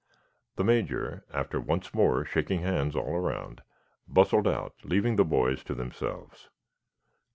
The Major, after once more shaking hands all around, bustled out, leaving the boys to themselves.